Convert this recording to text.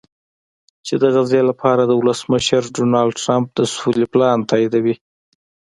چې د غزې لپاره د ولسمشر ډونالډټرمپ د سولې پلان تاییدوي